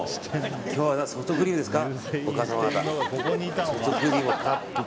今日はソフトクリームですか？